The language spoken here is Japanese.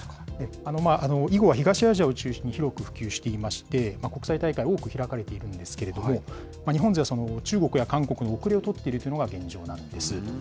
囲碁は東アジアを中心に広く普及していまして、国際大会、多く開かれているんですけれども、日本勢はその中国や韓国に後れを取っているというのが現状なんです。